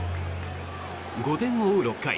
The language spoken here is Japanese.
５点を追う６回。